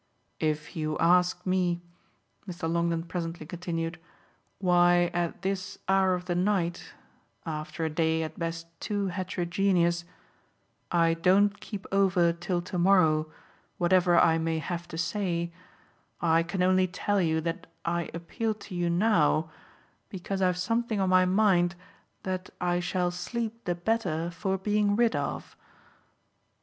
"If you ask me," Mr. Longdon presently continued, "why at this hour of the night after a day at best too heterogeneous I don't keep over till to morrow whatever I may have to say, I can only tell you that I appeal to you now because I've something on my mind that I shall sleep the better for being rid of."